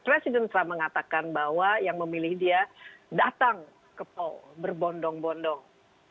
presiden trump mengatakan bahwa yang memilih dia datang ke paul berbondong bondong